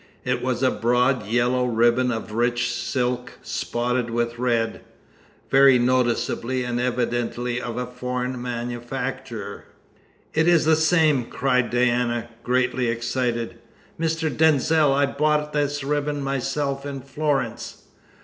It was a broad yellow ribbon of rich silk, spotted with red very noticeably and evidently of foreign manufacture. "It is the same!" cried Diana, greatly excited. "Mr. Denzil, I bought this ribbon myself in Florence!"